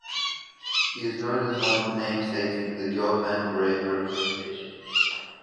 He is known as one of the namesakes in the Gelfand–Graev representation.